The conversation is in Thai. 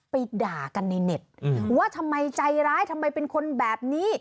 ด่ากันในเน็ตว่าทำไมใจร้ายทำไมเป็นคนแบบนี้